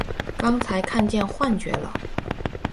刚才看见幻觉了！